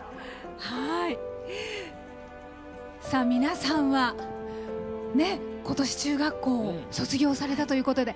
皆さんは、今年中学校を卒業されたということで。